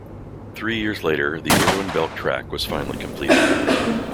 Three years later, the Irwin Belk Track was finally completed.